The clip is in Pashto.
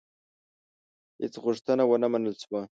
هیڅ غوښتنه ونه منل شوه.